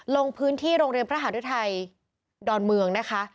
ลงพื้นที่โรงเรียนพระหารุทัยดอนเมืองนะคะ